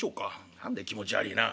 「何だよ気持ち悪いな。